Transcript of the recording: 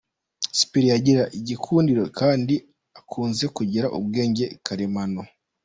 Crispin agira igikundiro kandi akunze kugira ubwenge karemano.